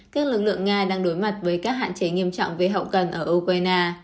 các lực lượng nga đang đối mặt với các hạn chế nghiêm trọng về hậu cần ở ukraine